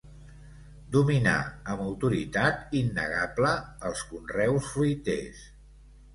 Dominar amb autoritat innegable els conreus fruiters.